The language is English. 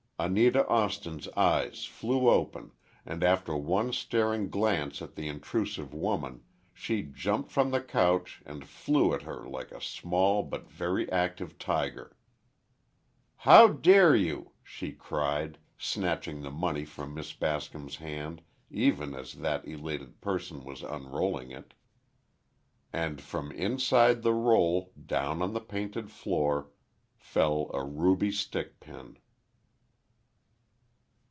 Anita Austin's eyes flew open, and after one staring glance at the intrusive woman, she jumped from the couch and flew at her like a small but very active tiger. "How dare you!" she cried, snatching the money from Miss Bascom's hand, even as that elated person was unrolling it. And from inside the roll, down on the painted floor, fell a ruby stickpin.